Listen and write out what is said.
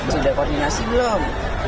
sudah koordinasi belum